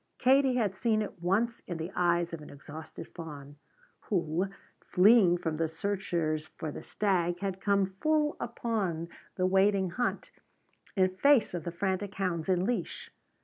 Katie had seen it once in the eyes of an exhausted fawn, who, fleeing from the searchers for the stag, had come full upon the waiting hunt in face of the frantic hounds in leash.